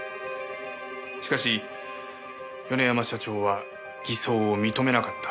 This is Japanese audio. しかし米山社長は偽装を認めなかった。